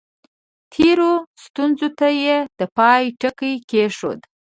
تېرو ستونزو ته یې د پای ټکی کېښود.